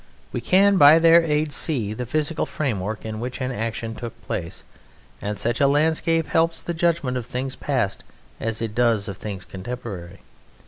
We can by their aid "see" the physical framework in which an action took place, and such a landscape helps the judgment of things past as it does of things contemporary.